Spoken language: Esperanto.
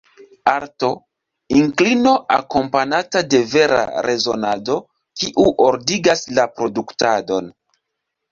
Arto: inklino akompanata de vera rezonado kiu ordigas la produktadon.